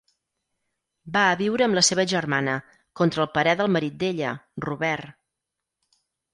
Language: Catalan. Va a viure amb la seva germana, contra el parer del marit d'ella, Robert.